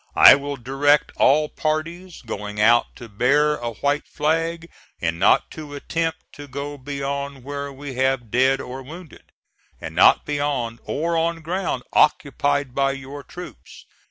I will direct all parties going out to bear a white flag, and not to attempt to go beyond where we have dead or wounded, and not beyond or on ground occupied by your troops.